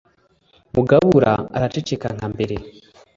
mugabura araceceka nka mbere.